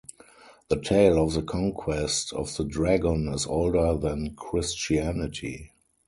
The tale of the conquest of the dragon is older than Christianity.